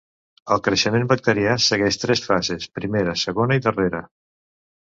El creixement bacterià segueix tres fases: primera, segona i darrera.